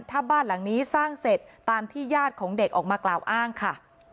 ถ้าบ้านหลังนี้สร้างเสร็จตามที่ญาติของเด็กออกมากล่าวอ้างค่ะ